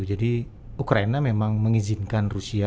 jadi ukraina memang mengizinkan rusia